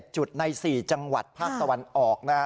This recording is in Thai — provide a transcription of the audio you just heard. ๒๗จุดใน๔จังหวัดภาพตะวันออก